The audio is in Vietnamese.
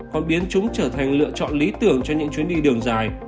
còn biến chúng trở thành lựa chọn lý tưởng cho những chuyến đi đường dài